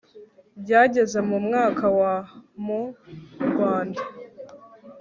Byageze mu mwaka wa mu Rwanda